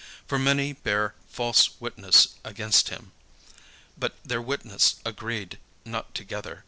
For many bare false witness against him, but their witness agreed not together.